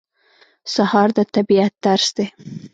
سهار د طبیعت درس دی.